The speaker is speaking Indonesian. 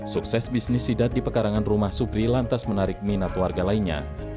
sukses bisnis sidat di pekarangan rumah supri lantas menarik minat warga lainnya